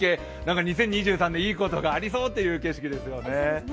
２０２３年、いいことがありそうっていう景色ですね。